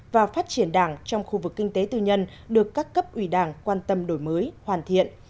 và phát triển đảng trong khu vực kinh tế tư nhân được các cấp ủy đảng quan tâm đổi mới hoàn thiện